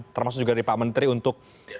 termasuk juga dari pak menteri untuk